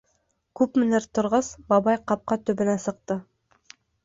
Күпмелер торғас, бабай ҡапҡа төбөнә сыҡты.